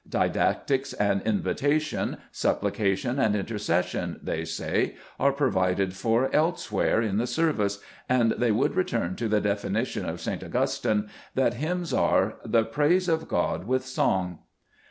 Didactics and invitation, supplication and intercession, they say, are provided for elsewhere in the service, and they would return to the definition of St. Augustine, that hymns are '• the praises of God with song.